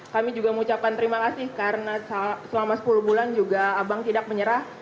kami juga mengucapkan terima kasih karena selama sepuluh bulan juga abang tidak menyerah